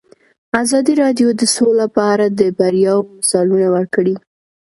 ازادي راډیو د سوله په اړه د بریاوو مثالونه ورکړي.